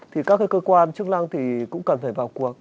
thì các cái cơ quan chức năng thì cũng cần phải vào cuộc